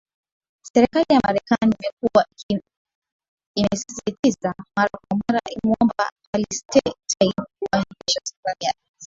serikali ya marekani imekuwa iki imesisitiza mara kwa mara ikimwomba alistide kuahirisha safari yake